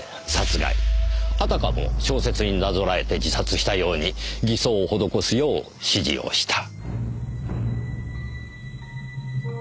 あたかも小説になぞらえて自殺したように偽装を施すよう指示をした。